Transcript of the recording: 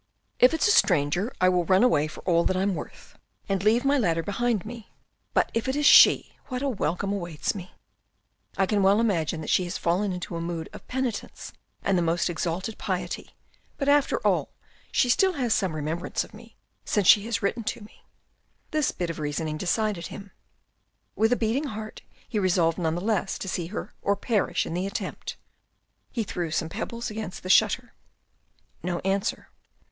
" If it's a stranger, I will run away for all I'm worth, and leave my ladder behind me, but if it is she, what a welcome awaits me ! I can well imagine that she has fallen into a mood of penitence and the most exalted piety, but after all, she still has some remembrance of me, since she has written to me." This bit of reasoning decided him. With a beating heart, but resolved none the less to see her or perish in the attempt, he threw some little pebbles against the shutter. No answer.